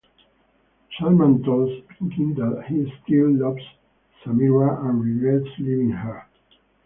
Salman told Pinky that he still loves Sameera and regrets leaving her.